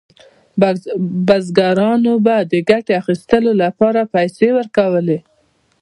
بزګرانو به د ګټې اخیستنې لپاره پیسې ورکولې.